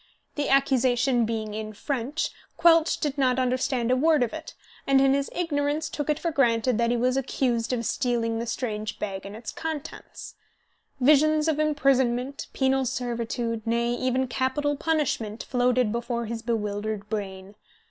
The accusation being in French, Quelch did not understand a word of it, and in his ignorance took it for granted that he was accused of stealing the strange bag and its contents. Visions of imprisonment, penal servitude, nay, even capital punishment, floated before his bewildered brain.